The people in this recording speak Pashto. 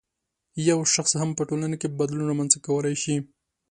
یو شخص هم په ټولنه کې بدلون رامنځته کولای شي